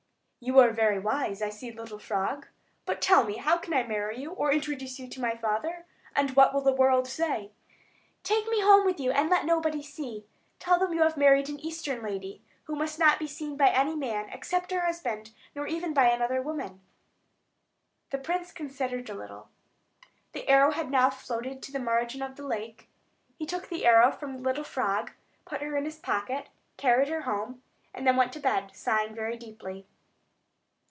"You are very wise, I see, little frog. But tell me, how can I marry you, or introduce you to my father? And what will the world say?" "Take me home with you, and let nobody see me. Tell them that you have married an Eastern lady, who must not be seen by any man, except her husband, nor even by another woman." The prince considered a little. The arrow had now floated to the margin of the lake; he took the arrow from the little frog, put her in his pocket, carried her home, and then went to bed, sighing very deeply.